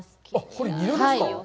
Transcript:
これ、にらですか？